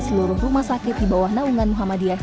seluruh rumah sakit di bawah naungan muhammadiyah